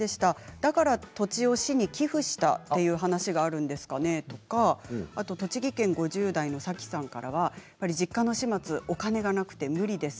だから土地を市に寄付したという話があるんですかねとか栃木県５０代の方からは、実家の始末、お金がなくて無理です。